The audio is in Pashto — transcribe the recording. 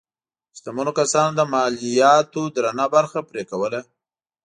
شتمنو کسانو د مالیاتو درنه برخه پرې کوله.